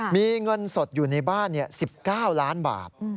มีเงินสดอยู่ในบ้าน๑๙ล้านบาท